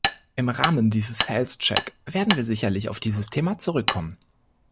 Im Rahmen dieses health check werden wir sicherlich auch auf dieses Thema zurückkommen.